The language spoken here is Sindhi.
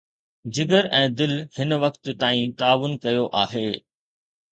جگر ۽ دل هن وقت تائين تعاون ڪيو آهي.